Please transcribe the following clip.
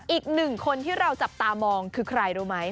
อีกหนึ่งคนที่เราจับตามองคือใครรู้ไหม